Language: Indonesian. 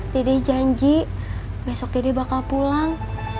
dede janji besok dede bakal pulang